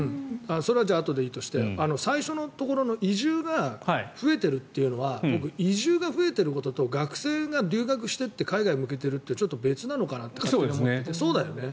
それはあとでいいとして最初のところの移住が増えているっていうのは僕、移住が増えていることと学生が留学してって海外に向けてるのはちょっと別なのかなと思っていてそうだよね。